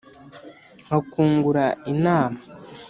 nkakungura inama!